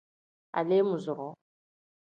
Aleemuuzuroo.